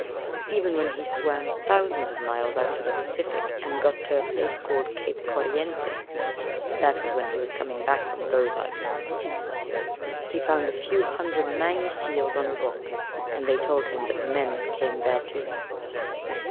Even when he swam thousands of miles out of the Pacific and got to a place called Cape Corrientes (that was when he was coming back from Gough's Island), he found a few hundred mangy seals on a rock and they told him that men came there too.